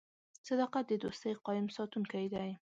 • صداقت د دوستۍ قایم ساتونکی دی.